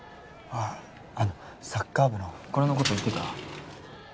あのサッカー部のこれのこと言ってた？